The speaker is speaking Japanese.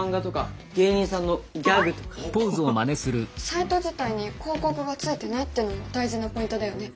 サイト自体に広告がついていないっていうのも大事なポイントだよね。